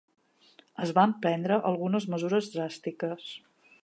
Es van prendre algunes mesures dràstiques.